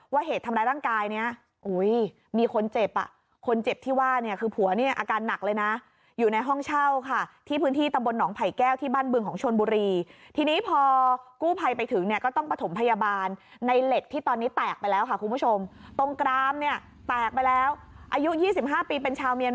ว่าเหตุทำร้ายร่างกายเนี่ย